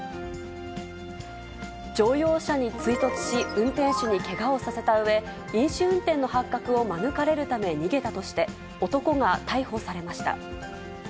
乗用車に追突し、運転手にけがをさせたうえ、飲酒運転の発覚を免れるため逃げたとして、男が逮捕されました。